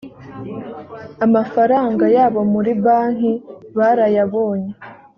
amafaranga yabo muri banki barayabonye